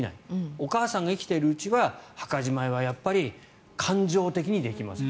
お母さんが生きているうちは墓じまいは感情的にできません。